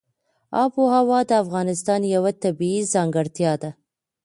آب وهوا د افغانستان یوه طبیعي ځانګړتیا ده.